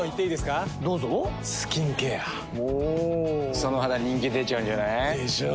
その肌人気出ちゃうんじゃない？でしょう。